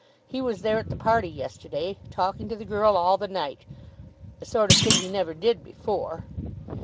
He was there at the party yesterday, talking to the girl all the night; a sort of thing he never did before.